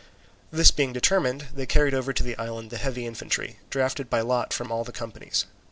This being determined, they carried over to the island the heavy infantry, drafted by lot from all the companies.